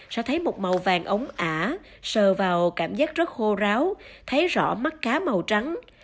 sẽ thấy một màu vàng ống ả sờ vào cảm giác rất khô ráo thấy rõ mắt cá màu trắng